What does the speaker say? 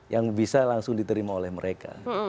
yang bisa langsung diterima oleh mereka